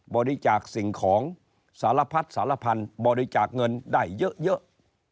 บริจาคสิ่งของสารพัดสารพันธุ์บริจาคเงินได้เยอะ